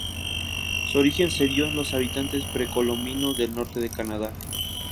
Su origen se dio en los habitantes precolombinos del norte de Canadá.